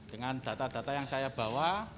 dengan data data yang saya bawa